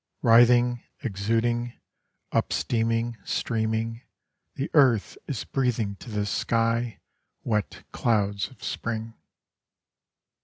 Writhing, exuding, Up steaming, streaming, The earth is breathing to the sky Wet clouds of spring.